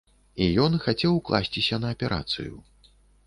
І ён хацеў класціся на аперацыю.